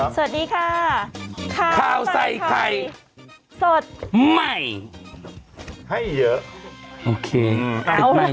สวัสดีครับสวัสดีค่ะขาวใส่ไข่สดใหม่ให้เยอะโอเคเอ็ดใหม่